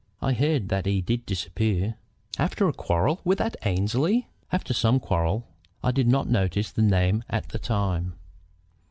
"I heard that he did disappear." "After a quarrel with that Annesley?" "After some quarrel. I did not notice the name at the time."